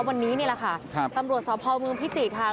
วันนี้นี่แหละค่ะครับตำรวจสพเมืองพิจิตรค่ะ